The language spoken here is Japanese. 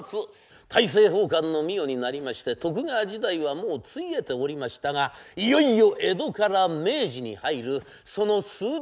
大政奉還の御代になりまして徳川時代はもうついえておりましたがいよいよ江戸から明治に入るその数日間のお物語。